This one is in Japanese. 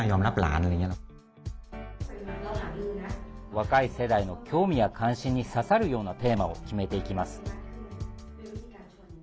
若い世代の興味や関心に刺さるようなテーマを決めていきます。